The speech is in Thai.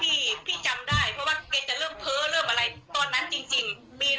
มีนั้นจริง